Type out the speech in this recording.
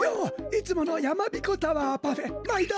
いつものやまびこタワーパフェまいど！